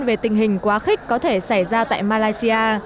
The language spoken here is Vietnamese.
về tình hình quá khích có thể xảy ra tại malaysia